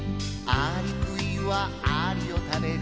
「アリクイはアリを食べる」